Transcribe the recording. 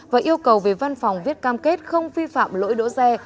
và yêu cầu về văn phòng viết cam kết không vi phạm lỗi đỗ xe